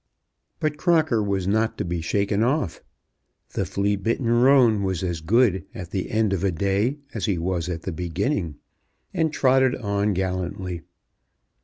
But Crocker was not to be shaken off. The flea bitten roan was as good at the end of a day as he was at the beginning, and trotted on gallantly.